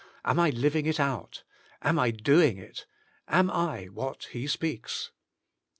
Am I living it out? Am I doing it? Am I what He speaks?